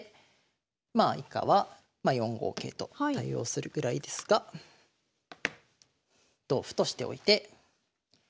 まあ以下は４五桂と対応するぐらいですが同歩としておいて。